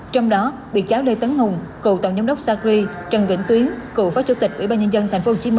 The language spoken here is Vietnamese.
trong đó bị cáo lê tấn hùng cựu tổng giám đốc sacri trần vĩnh tuyến cựu phó chủ tịch ủy ban nhân dân tp hcm